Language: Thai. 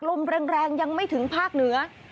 ลมแรงยังไม่ถึงภาคเหนือ